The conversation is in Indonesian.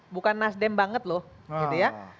bukan nasdem banget loh gitu ya